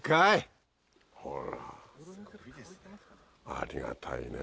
ありがたいね。